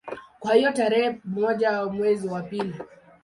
Kwa hiyo tarehe moja mwezi wa pili